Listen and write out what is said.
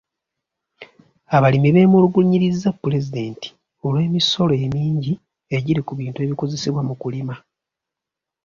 Abalimi beemulugunyiriza pulezidenti olw'emisolo emingi egiri ku bintu ebikozesebwa mu kulima.